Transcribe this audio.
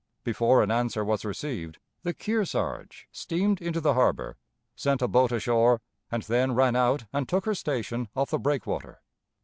Before an answer was received, the Kearsarge steamed into the harbor, sent a boat ashore, and then ran out and took her station off the breakwater.